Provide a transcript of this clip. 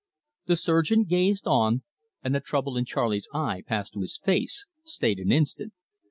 The surgeon gazed on, and the trouble in Charley's eye passed to his face, stayed an instant.